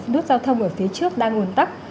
nút giao thông ở phía trước đang ổn tắc